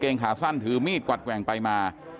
ขาสั้นถือมีดกวัดแกว่งไปมา